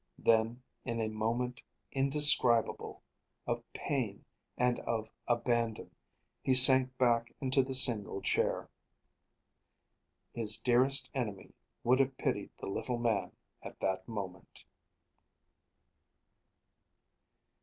Then, in a motion indescribable, of pain and of abandon, he sank back into the single chair. His dearest enemy would have pitied the little man at that moment!